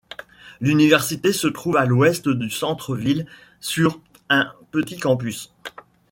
L'université se trouve à l'ouest du centre-ville sur un petit campus.